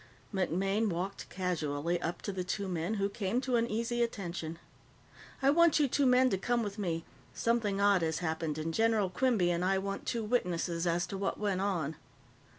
MacMaine walked casually up to the two men, who came to an easy attention. "I want you two men to come with me. Something odd has happened, and General Quinby and I want two witnesses as to what went on."